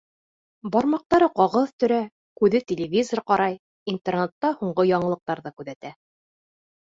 Бармаҡтары ҡағыҙ төрә, күҙе телевизор ҡарай, Интернетта һуңғы яңылыҡтарҙы күҙәтә.